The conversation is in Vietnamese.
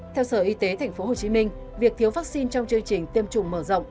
theo sở y tế thành phố hồ chí minh việc thiếu vaccine trong chương trình tiêm chủng mở rộng